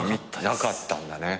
なかったんだね。